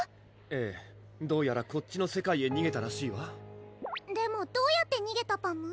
ええどうやらこっちの世界へにげたらしいわでもどうやってにげたパム？